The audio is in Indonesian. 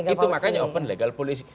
itu makanya open legal policy